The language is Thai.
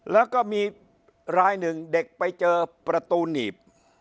แล้วก็มีรายหนึ่งเด็กไปเจอประตูหนีบ